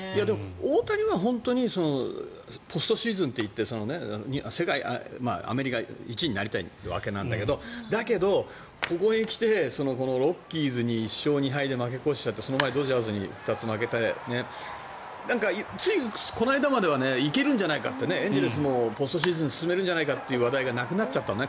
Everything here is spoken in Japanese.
大谷は本当にポストシーズンっていってアメリカで１位になりたいわけなんだけどだけど、ここに来てロッキーズに１勝２敗で負け越しちゃってその前、ドジャースに２つ負けてついこの間までは行けるんじゃないかってエンゼルスもポストシーズン進めるんじゃないかという話題がなくなっちゃったね。